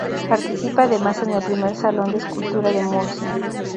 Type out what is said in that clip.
Participa además en el Primer Salón de Escultura de Murcia.